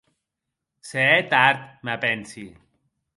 Se hè tard, me pensi.